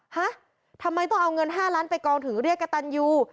ฮะทำไมต้องเอาเงิน๕ล้านไปกองถึงเรียกกระตันยู